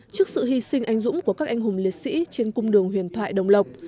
trước sự hy sinh anh dũng của các anh hùng liệt sĩ trên cung đường huyền thoại đồng lộc